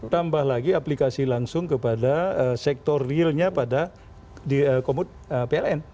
tambah lagi aplikasi langsung kepada sektor realnya pada komut pln